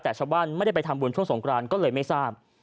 แต่ชาวบ้านไม่ได้ไปทำบุญช่วงสงกรานก็เลยไม่ทราบ